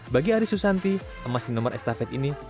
bagi arisu santi emas di nomor estafet ini berhasil menang